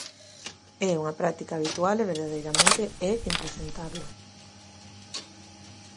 É unha práctica habitual e verdadeiramente é impresentable.